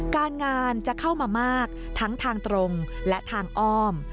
การงานจะเข้ามามากทั้งทางตรงและทางอ้อม